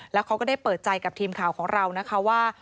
แล้วเขาก็ได้เปิดใจกับทีมข่าวของเรานะคะว่า